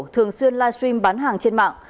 thường xuyên live stream bán hàng trên mạng